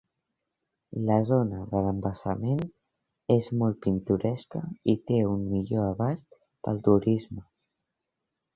La zona de l'embassament és molt pintoresca i té un millor abast per al turisme.